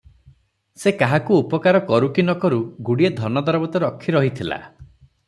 ସେ କାହାକୁ ଉପକାର କରୁ କି ନ କରୁ, ଗୁଡ଼ିଏ ଧନ ଦରବ ତ ରଖି ରହିଥିଲା ।